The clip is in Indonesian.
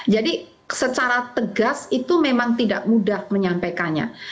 jadi secara tegas itu memang tidak mudah menyampaikannya